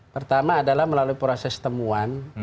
pertama adalah melalui proses temuan